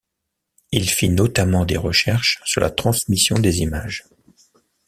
Il fit notamment des recherches sur la transmission des images.